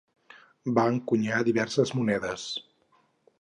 Va encunyar diverses monedes.